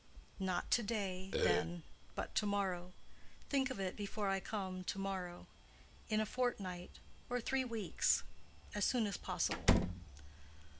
"Not to day, then, but to morrow. Think of it before I come to morrow. In a fortnight—or three weeks—as soon as possible."